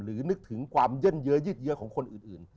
นึกถึงความเย่นเยอะยืดเยอะของคนอื่น